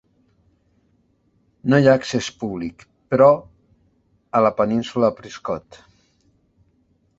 No hi ha accés públic, però, a la península de Prescott.